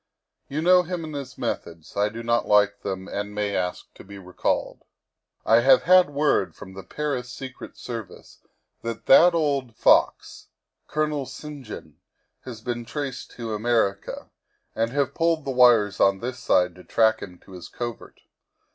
You know him and his methods; I do not like them and may ask to be recalled. " 1 have had word from the Paris Secret Service that that old fox, Colonel St. John, has been traced to America, and have pulled the wires on this side to track him to his covert.